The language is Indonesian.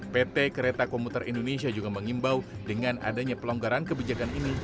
pt kereta komuter indonesia juga mengimbau dengan adanya pelonggaran kebijakan ini